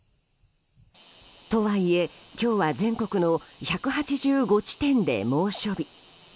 とはいえ、今日は全国の１８５地点で猛暑日。